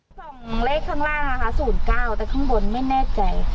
สองเลขข้างล่างนะคะ๐๙แต่ข้างบนไม่แน่ใจ